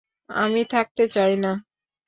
আমি থাকতে চাই না।